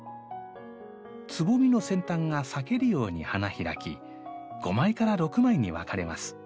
つぼみの先端が裂けるように花開き５枚から６枚に分かれます。